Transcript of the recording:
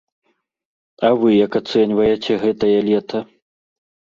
А вы як ацэньваеце гэтае лета?